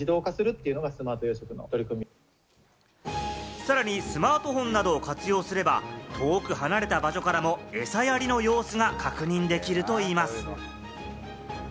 さらにスマートフォンなどを活用すれば、遠く離れた場所からも、餌やりの様子が確認できるといいます。